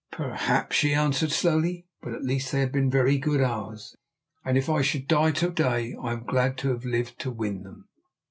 "Perhaps," she answered slowly; "but at least they have been very good hours, and if I should die to day I am glad to have lived to win them."